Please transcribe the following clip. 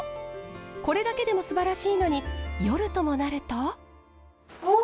これだけでもすばらしいのに夜ともなると。